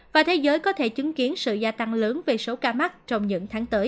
và thế giới có thể chứng kiến sự gia tăng lớn về số ca mắc trong những tháng tới